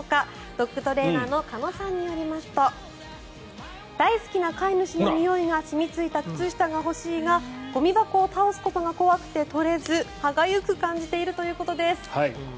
ドッグトレーナーの鹿野さんによりますと大好きな飼い主のにおいが染みついた靴下が欲しいがゴミ箱を倒すことが怖くて取れず歯がゆく感じているということです。